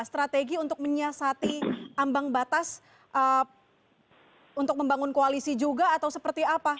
strategi untuk menyiasati ambang batas untuk membangun koalisi juga atau seperti apa